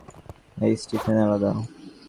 এই স্টিফেন আলাদা।